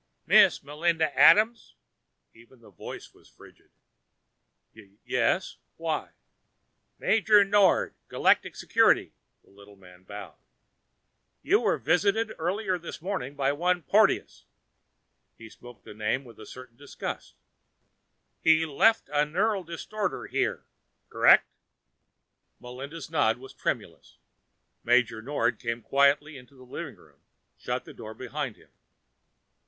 "Mrs. Melinda Adams?" Even the voice was frigid. "Y Yes. Why " "Major Nord, Galactic Security." The little man bowed. "You were visited early this morning by one Porteous." He spoke the name with a certain disgust. "He left a neural distorter here. Correct?" Melinda's nod was tremulous. Major Nord came quietly into the living room, shut the door behind him.